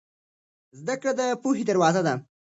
زده کړه د پوهې دروازه ده.